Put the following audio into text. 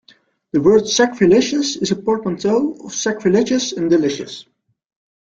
The word "sacrilicious" is a portmanteau of "sacrilegious" and "delicious".